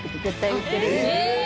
え！